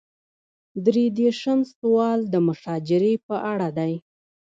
درې دېرشم سوال د مشاجرې په اړه دی.